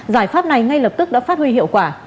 giải pháp này ngay lập tức đã phát huy hiệu quả